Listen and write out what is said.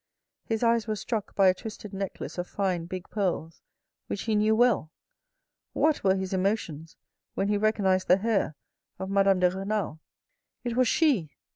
His eyes were struck by a twisted necklace of fine, big pearls, which he knew well. What were his emotions when he recognised the hair of Madame de Renal ? It was she